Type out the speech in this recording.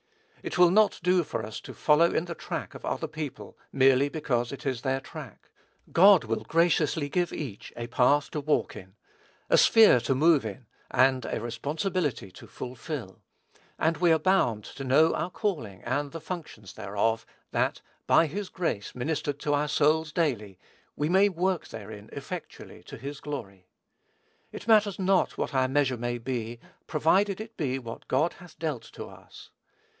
It will not do for us to follow in the track of other people, merely because it is their track. God will graciously give each a path to walk in, a sphere to move in, and a responsibility to fulfil; and we are bound to know our calling and the functions thereof, that, by his grace ministered to our souls daily, we may work therein effectually to his glory. It matters not what our measure may be, provided it be what God hath dealt to us.